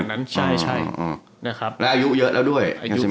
แล้วอายุเยอะแล้วด้วย